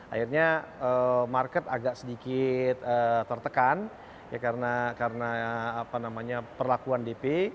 akhirnya market agak sedikit tertekan karena perlakuan dp